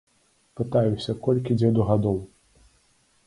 Пытаюся, колькі дзеду гадоў?